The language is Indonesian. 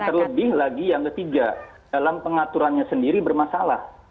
terlebih lagi yang ketiga dalam pengaturannya sendiri bermasalah